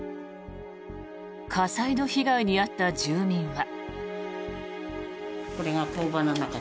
火災の被害に遭った住民は。